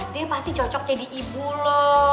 dia pasti cocok jadi ibu loh